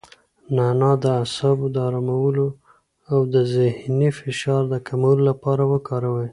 نعناع د اعصابو د ارامولو او د ذهني فشار د کمولو لپاره وکاروئ.